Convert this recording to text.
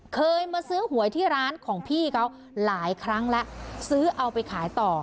เคยมาซื้อหวยที่ร้านของพี่เขาหลายครั้งแล้วซื้อเอาไปขายต่อ